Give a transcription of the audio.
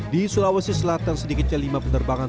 di sulawesi selatan sedikitnya lima penerbangan